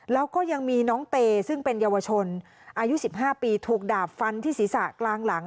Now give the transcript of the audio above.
แล้วก็ยังมีน้องเตซึ่งเป็นเยาวชนอายุ๑๕ปีถูกดาบฟันที่ศีรษะกลางหลัง